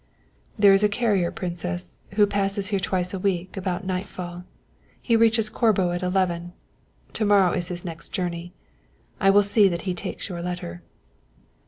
"There is a carrier, Princess, who passes here twice a week, about nightfall. He reaches Corbo at eleven. To morrow is his next journey. I will see that he takes your letter."